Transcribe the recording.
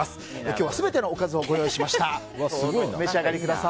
今日は全てのおかずをご用意しました。